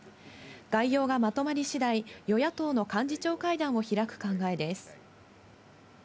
概要がまとまり次第、与野党の幹事長会談を開く考えです。